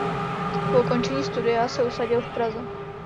Po ukončení studia se usadil v Praze.